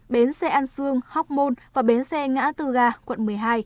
bến xe an sương hóc môn và bến xe ngã tư ga quận một mươi hai